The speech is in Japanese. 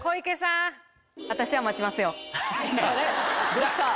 どうした？